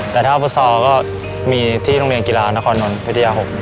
แต่ถ้าฟุตศอก็ที่โรงเรียนกีฬานครอบครอบข้นนมวิทยา๖